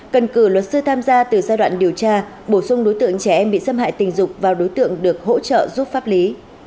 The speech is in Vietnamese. cần cử luật sư tham gia từ giai đoạn điều tra bổ sung đối tượng trẻ em bị xâm hại tình dục vào đối tượng được hỗ trợ giúp pháp lý